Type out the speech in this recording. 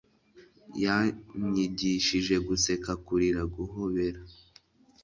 yanyigishije guseka kurira guhobera